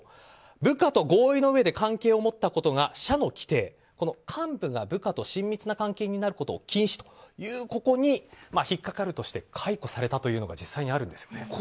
部下と合意の上で関係を持ったことが社の規定幹部が部下と親密な関係になることを禁止というものに引っかかるとして解雇されたというのが実際にあるんですよね。